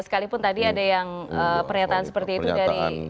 sekalipun tadi ada yang pernyataan seperti itu dari